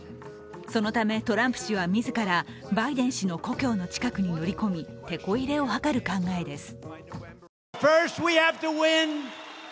そのため、トランプ氏は自らバイデン氏の故郷の近くに乗り込みてこ入れを図る考えです。